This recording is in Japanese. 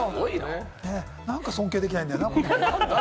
なんか尊敬できないんだよな。